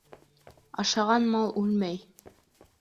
Ашаған мал үлмәй.